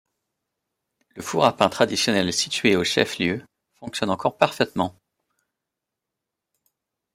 Le four à pain traditionnel situé au Chef-lieu fonctionne encore parfaitement.